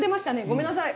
ごめんなさい。